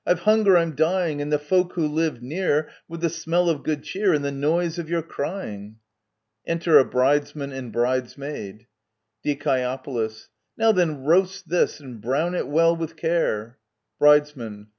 Of hunger I'm dying, And the folk who live near, With the smell of good cheer And the noise of your crying ! Enter a Bridesman and Bridesmaid. Die. Now then, roast this, and brown it well with care ! Bridesman.